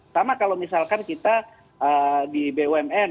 sama kalau misalkan kita di bumn